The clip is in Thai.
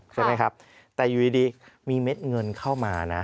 ใช่ไหมครับแต่อยู่ดีมีเม็ดเงินเข้ามานะ